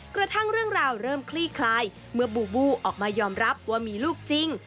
กระทั่งเรื่องราวเริ่มคลี่คลายเมื่อบูบูออกมายอมรับว่ามีลูกจริง